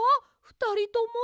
ふたりとも。